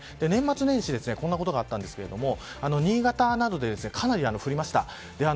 年末年始にこんなことがあったんですけど新潟などで、かなり降りました。